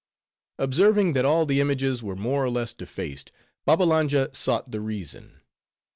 Observing that all the images were more or less defaced, Babbalanja sought the reason.